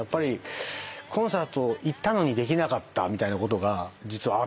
コンサート行ったのにできなかったみたいなことが実はあって。